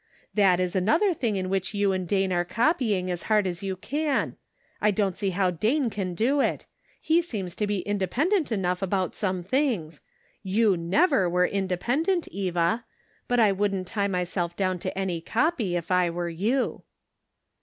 That is an other thing in which you and Dane are copy ing as hard as you can. I don't see how Dane can do it; he seems to be independent enough about some things. You never were inde pendent, Eva, but I wouldn't tie myself down to any copy if I were you."